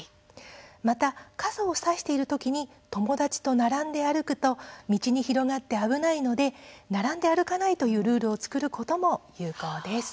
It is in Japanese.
また傘を差している時に友達と並んで歩くと道に広がって危ないので並んで歩かないというルールを作ることも有効です。